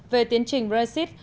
về tiến trình brexit